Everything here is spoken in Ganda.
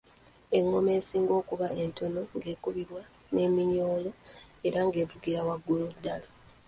Engoma esinga okuba entono ng’ekubibwa n’eminyolo era ng’evugira waggulu ddala.